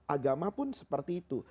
agama pun seperti itu